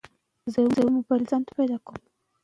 مور د ماشوم د زکام نښې پېژني.